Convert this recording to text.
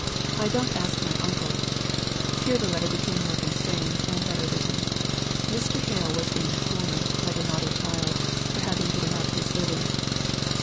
I don't ask my uncle" (Here the letter became more constrained, and better written. Mr. Hale was in the corner, like a naughty child, for having given up his living.)